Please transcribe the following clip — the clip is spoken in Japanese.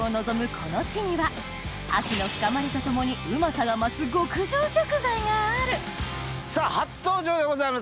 この地には秋の深まりとともにうまさが増す極上食材があるさぁ初登場でございます。